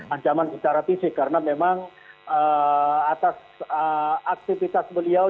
ancaman secara fisik karena memang atas aktivitas beliau